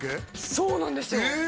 そうなんですよえっ